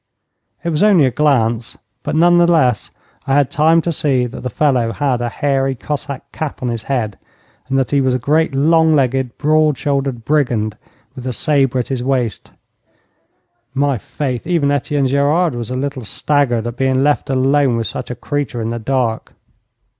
It was only a glance, but, none the less, I had time to see that the fellow had a hairy Cossack cap on his head, and that he was a great, long legged, broad shouldered brigand, with a sabre at his waist. My faith, even Etienne Gerard was a little staggered at being left alone with such a creature in the dark.